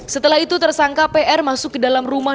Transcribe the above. setelah itu tersangka pr masuk ke dalam rumah